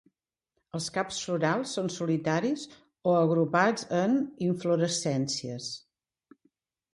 Els caps florals són solitaris o agrupats en inflorescències.